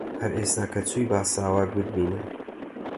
هەر ئێستا کە چووی با ساواک بتبینن